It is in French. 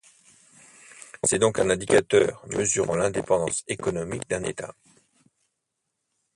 C'est donc un indicateur mesurant l'indépendance économique d'un État.